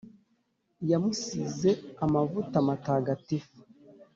yamusize amavuta matagatifu.